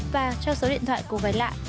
và cho số điện thoại cùng với lại